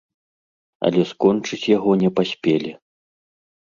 Але скончыць яго не паспелі.